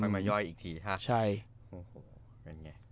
แล้วค่อยมาย่อยอีกทีครับ